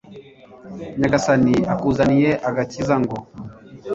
nyagasani akuzaniye agakiza, ngo